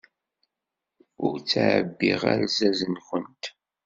Ur ttɛebbiɣ alzaz-nwent.